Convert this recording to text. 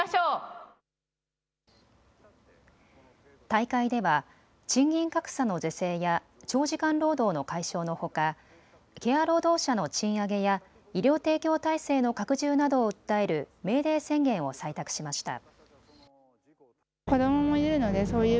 大会では賃金格差の是正や長時間労働の解消のほかケア労働者の賃上げや医療提供体制の拡充などを訴えるメーデー宣言を採択しました。